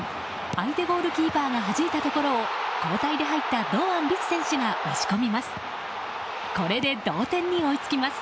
相手ゴールキーパーがはじいたところを交代で入った堂安律選手が押し込みます。